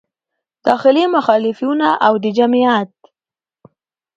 داخلي مخالفینو او د جمعیت